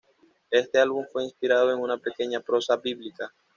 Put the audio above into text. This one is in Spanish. Éste álbum fue inspirado en una pequeña prosa bíblica.